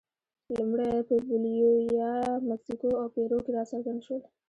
لومړی په بولیویا، مکسیکو او پیرو کې راڅرګند شول.